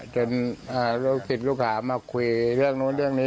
ลูกศิษย์ลูกหามาคุยเรื่องนู้นเรื่องนี้